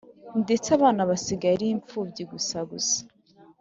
ndetse abana basigaye ari imfubyi gusa gusa